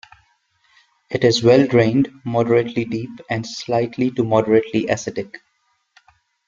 It is well drained, moderately deep, and slightly to moderately acidic.